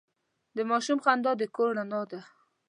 د ماشوم خندا د کور رڼا ده.